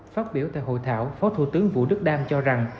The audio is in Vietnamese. phát biểu tại hội thảo phó thủ tướng vũ đức đam cho rằng